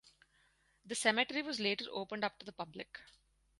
The cemetery was later opened up to the public.